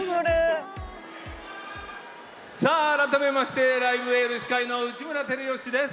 改めまして「ライブ・エール」司会の内村光良です。